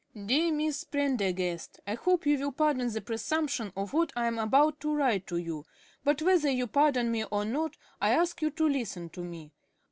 _) "Dear Miss Prendergast, I hope you will pardon the presumption of what I am about to write to you, but whether you pardon me or not, I ask you to listen to me.